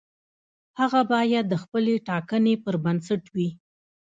هغه باید د خپلې ټاکنې پر بنسټ وي.